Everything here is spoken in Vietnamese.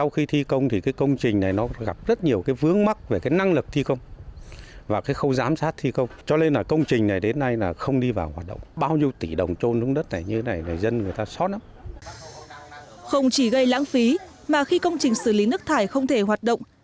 không chỉ gây lãng phí mà khi công trình xử lý nước thải không thể hoạt động